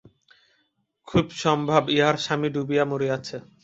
খুব সম্ভব, ইহার স্বামী ডুবিয়া মরিয়াছে।